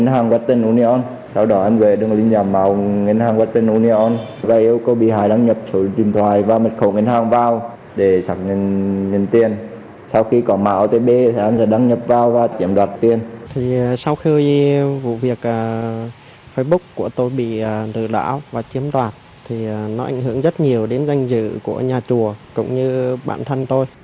hiếu đã lừa đảo và chiếm đoạt thì nó ảnh hưởng rất nhiều đến danh dự của nhà chùa cũng như bản thân tôi